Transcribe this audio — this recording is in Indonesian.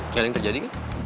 kayak yang terjadi kan